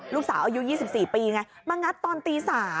ลูกสาวอายุ๒๔ปีไงมางัดตอนตี๓